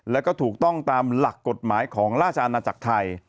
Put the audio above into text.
แล้วก็ถูกต้องตามหลักกฎหมายของราชอาณาจักรไทย